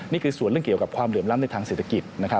นี่คือส่วนเรื่องเกี่ยวกับความเหลื่อมล้ำในทางเศรษฐกิจ